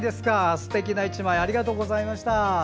すてきな１枚ありがとうございました。